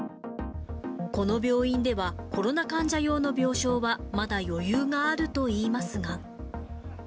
この病院では、コロナ患者用の病床は、まだ余裕があるといいますが。